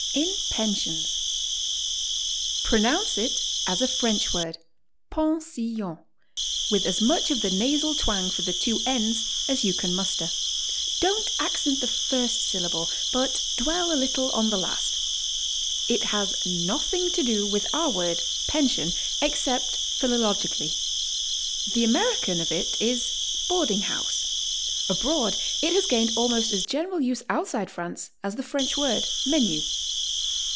IN PENSIONS^. 141 Pronounce it as a French word, pon si on, with as much of the nasal twang for the two n's as you can muster; don't accent the first syllable, but dwell a little on the last. It has nothing <to do with our word "penshun," except philologi cally. The American of it is "boarding house." Abroad it has gained almost as general use outside France as the French word "menu."